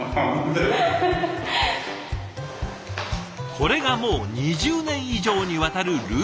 これがもう２０年以上にわたるルーティン。